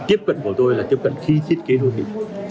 tiếp cận của tôi là tiếp cận khi thiết kế đô thị